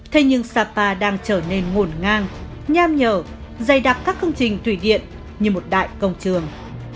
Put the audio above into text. thế nhưng sapa đang trở nên ngổn ngang nham nhở dày đạp các công trình thủy điện như một đại công trường